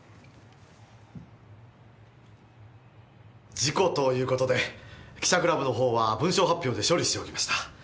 事故という事で記者クラブのほうは文書発表で処理しておきました。